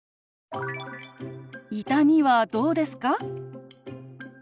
「痛みはどうですか？」。